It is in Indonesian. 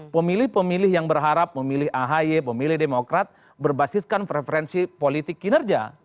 pemilih pemilih yang berharap memilih ahy pemilih demokrat berbasiskan preferensi politik kinerja